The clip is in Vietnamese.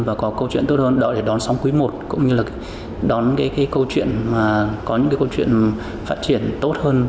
và có câu chuyện tốt hơn đợi để đón sóng quý i cũng như là đón cái câu chuyện mà có những cái câu chuyện phát triển tốt hơn